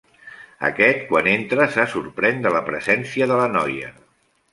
Aquest, quan entra, se sorprèn de la presència de la noia.